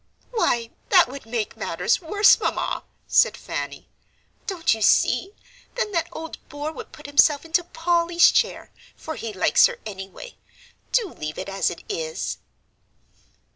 "Why, that would make matters' worse, Mamma," said Fanny. "Don't you see, then, that old bore would put himself into Polly's chair, for he likes her, anyway. Do leave it as it is."